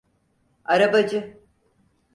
Arabacı!